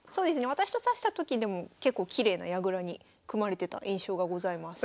私と指したときでも結構きれいな矢倉に組まれてた印象がございます。